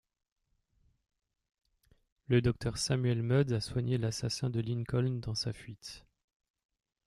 Le docteur Samuel Mudd a soigné l'assassin de Lincoln dans sa fuite.